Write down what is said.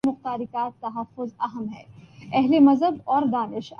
جانتا ہوں کے قوائد و ضوابط سے کیسے کھیلنا ہے